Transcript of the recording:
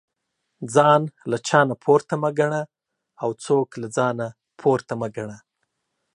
ځان له چانه پورته مه ګنه او څوک له ځانه پورته مه ګنه